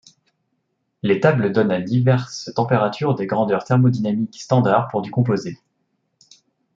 Les tables donnent à diverses températures des grandeurs thermodynamiques standards pour du composé.